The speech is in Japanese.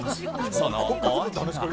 そのお味は？